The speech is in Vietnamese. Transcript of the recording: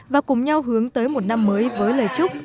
và cùng nhau hướng tới một năm mới với lời chúc